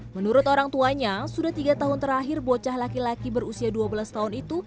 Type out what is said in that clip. menurut orang tuanya sudah tiga tahun terakhir bocah laki laki berusia dua belas tahun itu